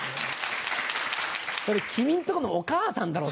それ君んとこのお母さんだろ。